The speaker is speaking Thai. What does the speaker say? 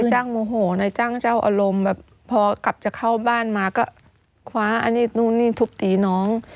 จ้างโมโหนายจ้างเจ้าอารมณ์แบบพอกลับจะเข้าบ้านมาก็คว้าอันนี้นู่นนี่ทุบตีน้อง